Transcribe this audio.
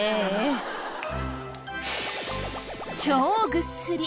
超ぐっすり！